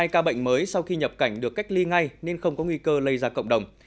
hai ca bệnh mới sau khi nhập cảnh được cách ly ngay nên không có nguy cơ lây ra cộng đồng